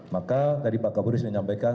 maka tadi pak kapolri sudah menyampaikan